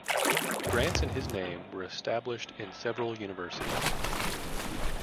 Grants in his name were established in several universities.